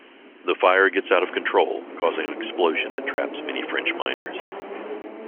The fire gets out of control, causing an explosion that traps many French miners.